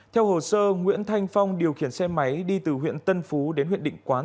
theo hồ sơ nguyễn thanh phong điều khiển xe máy đi từ huyện tân phú đến huyện định quán